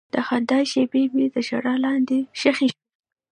د خندا شېبې مې د ژړا لاندې ښخې شوې.